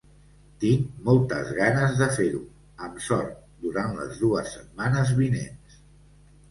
Tinc moltes ganes de fer-ho, amb sort, durant les dues setmanes vinents.